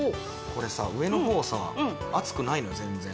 これさ上の方さ熱くないの全然。